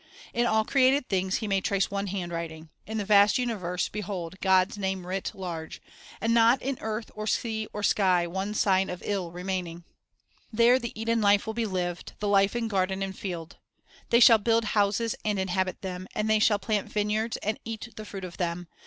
In all created things he may trace one hand writing, — in the vast universe behold "God's name writ large," and not in earth or sea or sky one sign of ill remaining. There the Eden life will be lived, the life in garden and field. "They shall build houses, and inhabit them; and they shall plant vineyards, and eat the fruit of them.